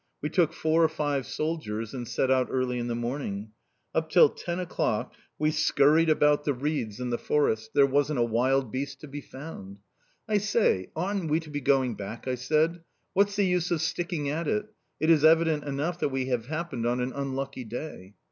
We took four or five soldiers and set out early in the morning. Up till ten o'clock we scurried about the reeds and the forest there wasn't a wild beast to be found! "'I say, oughtn't we to be going back?' I said. 'What's the use of sticking at it? It is evident enough that we have happened on an unlucky day!